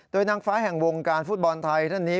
โดยนางฟ้าแห่งวงการฟุตบอลไทยท่านนี้